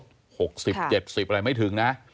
๖๐๗๐อะไรไม่ถึงนะ